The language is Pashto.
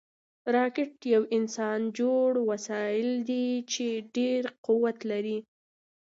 راکټ یو انسانجوړ وسایل دي چې ډېر قوت لري